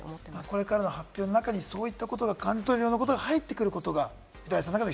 これからの発表にそういうことが感じ取れるようなことが入ってくることがみたらしさんの中で